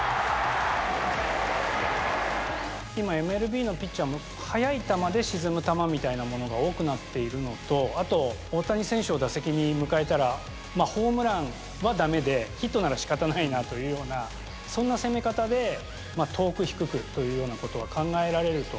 今、ＭＬＢのピッチャーも、速い球で沈む球みたいなのが多くなっているのと、あと大谷選手を打席に迎えたら、ホームランはだめで、ヒットならしかたないなというような、そんな攻め方で遠く低くというようなことは考えられると。